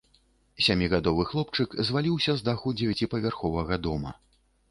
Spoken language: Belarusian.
Сямігадовы хлопчык зваліўся з даху дзевяціпавярховага дома.